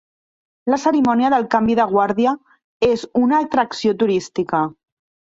La cerimònia del canvi de guàrdia és una atracció turística.